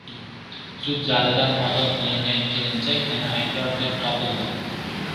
Sud zalidan ozod qilingan kelinchak yana aybdor deb topildi